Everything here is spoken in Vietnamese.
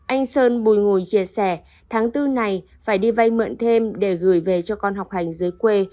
anh sơn bùi ngùi chia sẻ tháng bốn này phải đi vay mượn thêm để gửi về cho con học hành giới quê